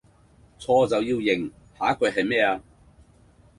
錯就要認，下一句系咩啊?